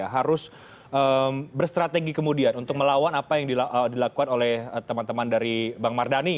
harus berstrategi kemudian untuk melawan apa yang dilakukan oleh teman teman dari bang mardhani